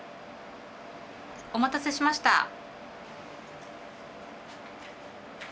お待たせしました。